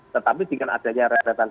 tetapi dengan adanya resmi gas